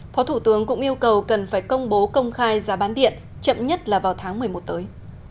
phó thủ tướng cũng yêu cầu cần phải công bố công khai giá bán điện chậm nhất là vào tháng một mươi một tới